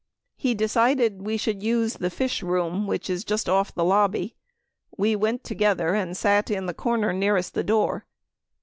He decided we should use the Fish Room, which is just off the lobby. We went together and sat in the corner nearest the door.